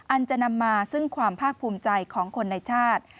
อันจะนำมาซึ่งความภาคภูมิใจของคนในชาติ